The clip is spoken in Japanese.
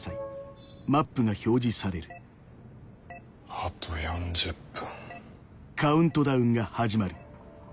あと４０分。